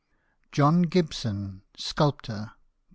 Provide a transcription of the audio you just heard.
III. JOHN GIBSON, SCULPTOR.